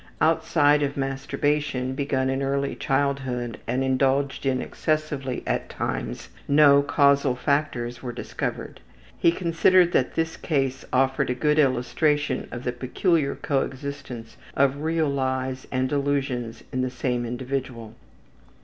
Outside of masturbation, begun in early childhood and indulged in excessively at times, no causal factors were discovered. He considered that this case offered a good illustration of the peculiar coexistence of real lies and delusions in the same individual.